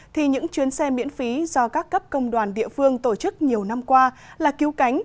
thì những chuyến xe miễn phí do các cấp công đoàn địa phương tổ chức nhiều năm qua là cứu cánh